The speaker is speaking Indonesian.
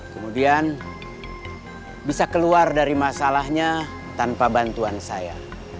kemudian bisa keluar dari masalahnya tanpa bantuan saya